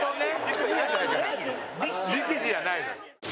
力士じゃないのよ。